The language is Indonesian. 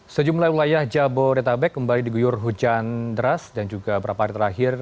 sejumlah wilayah jabodetabek kembali diguyur hujan deras dan juga beberapa hari terakhir